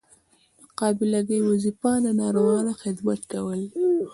د قابله ګۍ وظیفه د ناروغانو خدمت کول دي.